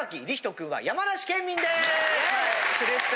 君は山梨県民です！